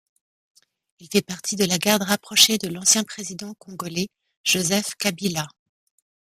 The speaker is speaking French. Il fait partie de la garde rapprochée de l'ancien Président congolais Joseph Kabila.